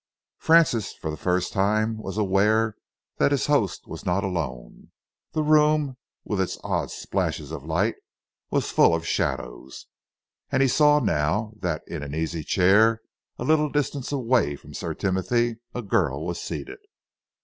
Francis for the first time was aware that his host was not alone. The room, with its odd splashes of light, was full of shadows, and he saw now that in an easy chair a little distance away from Sir Timothy, a girl was seated.